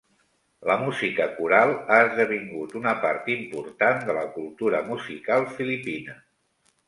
La musica coral ha esdevingut una part important de la cultura musical filipina.